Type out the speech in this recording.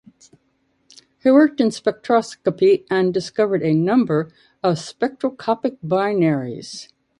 He worked in spectroscopy and discovered a number of spectroscopic binaries.